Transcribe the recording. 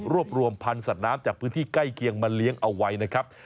รวมพันธุ์สัตว์น้ำจากพื้นที่ใกล้เคียงมาเลี้ยงเอาไว้นะครับ